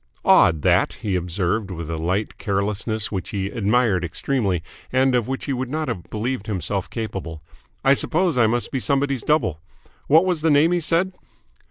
"Odd, that!" he observed with a light carelessness which he admired extremely and of which he would not have believed himself capable. "I suppose I must be somebody's double. What was the name he said?"